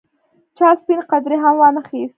چا سپڼ قدرې هم وانه اخیست.